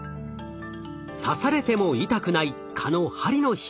刺されても痛くない蚊の針の秘密。